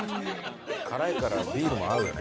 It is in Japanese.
辛いからビールも合うよね。